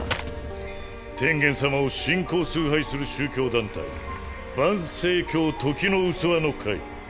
天元様を信仰崇拝する宗教団体盤星教「時の器の会」。